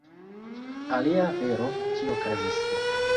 Alia afero, kio okazis: